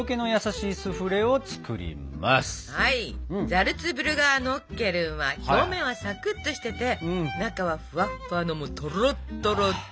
ザルツブルガーノッケルンは表面はさくっとしてて中はふわっふわのもうとろっとろです！